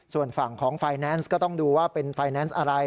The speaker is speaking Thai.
ส่วนฝั่งของไฟแนนซ์ก็ต้องดูว่าเป็นไฟแนนซ์อะไร